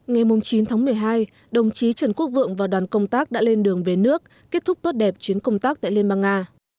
ngày chín tháng một mươi hai đồng chí trần quốc vượng và đoàn công tác đã lên đường về nước kết thúc tốt đẹp chuyến công tác tại liên bang nga